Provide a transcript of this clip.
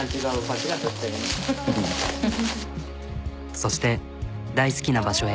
そして大好きな場所へ。